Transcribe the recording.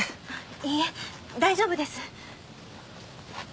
いいえ大丈夫です。